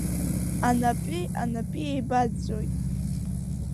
Анапи-анапи еибаӡәӡәоит…